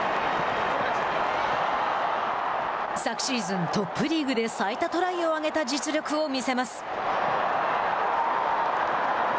昨シーズン、トップリーグで最多トライを挙げた実力を見せます。